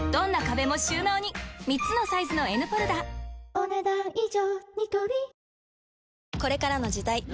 お、ねだん以上。